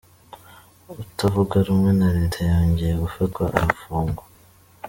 utavuga rumwe na reta yongeye gufatwa arafungwa